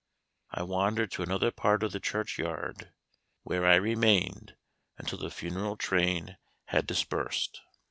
I wandered to another part of the churchyard, where I remained until the funeral train had dispersed.